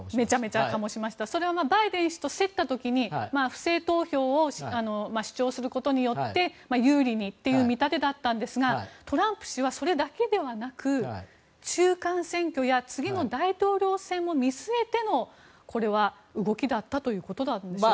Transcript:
それはバイデン氏と競った時に不正投票を主張することによって有利にという見立てだったんですがトランプ氏はそれだけではなく中間選挙や次の大統領選を見据えての、動きだったということなんでしょうか。